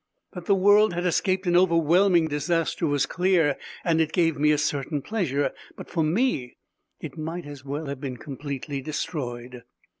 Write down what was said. That the world had escaped an overwhelming disaster was clear, and it gave me a certain pleasure. But for me it might as well have been completely destroyed.